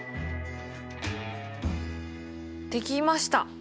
できました。